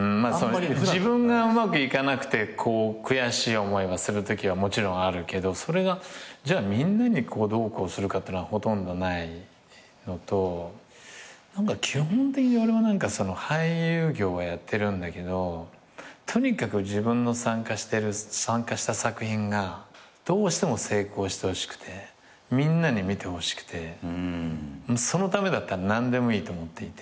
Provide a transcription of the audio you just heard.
自分がうまくいかなくて悔しい思いはするときはもちろんあるけどそれがみんなにどうこうするかってのはほとんどないのと基本的に俺は俳優業をやってるんだけどとにかく自分の参加した作品がどうしても成功してほしくてみんなに見てほしくてそのためだったら何でもいいと思っていて。